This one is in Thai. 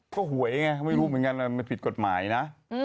ก็หวยไงไม่รู้เหมือนกันมันผิดกฎหมายนะ